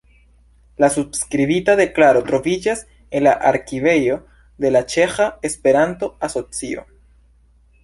La subskribita deklaro troviĝas en la arkivejo de la Ĉeĥa Esperanto-Asocio.